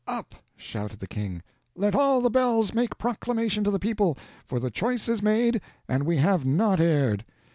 "Up!" shouted the king, "let all the bells make proclamation to the people, for the choice is made and we have not erred.